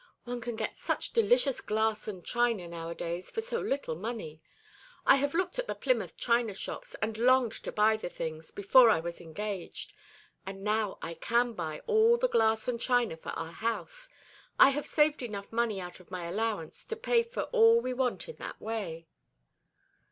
One can get such delicious glass and china nowadays for so little money. I have looked at the Plymouth china shops, and longed to buy the things, before I was engaged; and now I can buy all the glass and china for our house I have saved enough money out of my allowance to pay for all we want in that way."